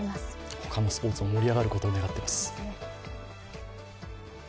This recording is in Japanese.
他のスポーツも盛り上がることを願っています。